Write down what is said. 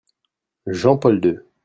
Jean-Paul II.